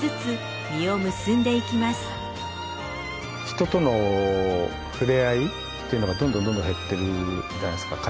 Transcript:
人との触れ合いっていうのがどんどんどんどん減ってるじゃないですか。